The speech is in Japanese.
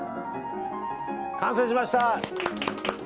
完成しました！